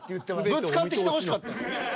ぶつかってきてほしかった。